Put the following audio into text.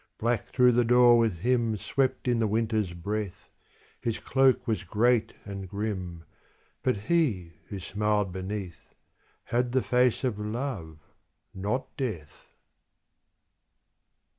_ Black through the door with him Swept in the Winter's breath; His cloak was great and grim But he, who smiled beneath, Had the face of Love not Death.